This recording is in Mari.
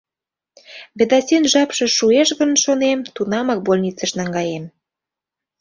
Ведасин жапше шуэш гын, шонем, тунамак больницыш наҥгаем.